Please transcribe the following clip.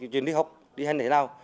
truyền thức học đi hành thế nào